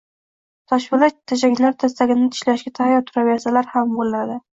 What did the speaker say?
Toshpoʻlat tajanglar tirsagini tishlashga tayyor turaversalar ham boʻladi